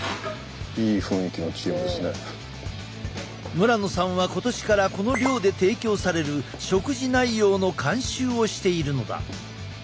村野さんは今年からこの寮で提供される食事内容の監修をしているのだ。